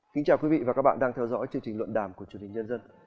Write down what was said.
kính chào quý vị và các bạn đang theo dõi chương trình luận đàm của chủ tịch nhân dân